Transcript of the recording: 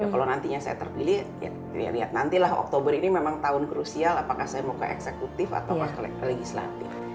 kalau nantinya saya terpilih ya lihat nantilah oktober ini memang tahun krusial apakah saya mau ke eksekutif atau ke legislatif